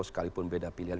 sekalipun beda pilihan